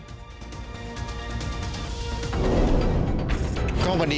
สวัสดีค่ะคุณผู้ชมค่ะเห็นหัวอะไรกันครับ